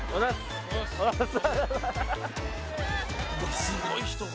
「うわっすごい人が」